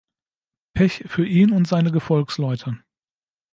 Pech für ihn und seine Gefolgsleute.